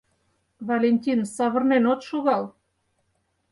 Валентин, савырнен от шогал?